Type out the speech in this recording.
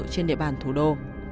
trên địa bàn thủ đô